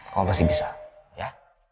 kamu pasti bisa ya